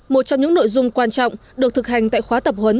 một trong những nội dung quan trọng được thực hành tại khóa tập huấn